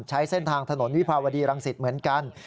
ใช้เส้นทางถนนวิภาวดีรังสิตเหมือนกัน